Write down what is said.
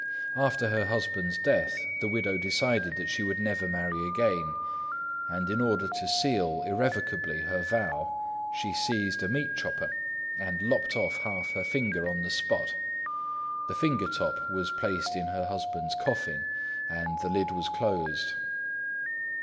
After her husband's death the widow decided that she would never marry again, and in order to seal irrevocably her vow, she seized a meat chopper and lopped off half her finger on the spot. The finger top was placed in her husband's coffin, and the lid was closed.